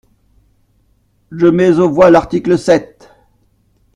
Je mets aux voix l’article sept.